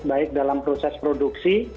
baik dalam proses produksi